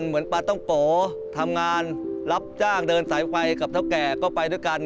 ปลาต้องโปทำงานรับจ้างเดินสายไฟกับเท่าแก่ก็ไปด้วยกัน